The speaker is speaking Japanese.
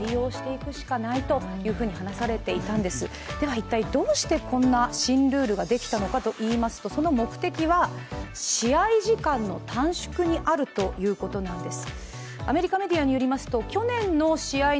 一体どうしてこんな新ルールができたのかといいますと、その目的は試合時間の短縮にあるということなんです。